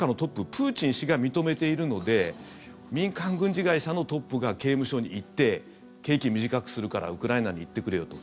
プーチン氏が認めているので民間軍事会社のトップが刑務所に行って刑期短くするからウクライナに行ってくれよと。